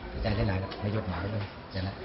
rồi ra đây lại rồi chụp mặt lại rồi ra lại